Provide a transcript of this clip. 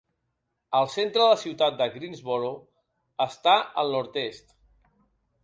El centre de la ciutat de Greensboro està al nord-est.